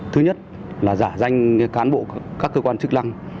thứ nhất là giả danh cán bộ các cơ quan chức năng